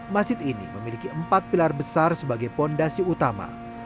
masjid ini memiliki empat pilar besar sebagai fondasi utama